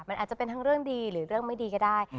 มันอาจจะเป็นทั้งเรื่องดีหรือเรื่องไม่ดีก็ได้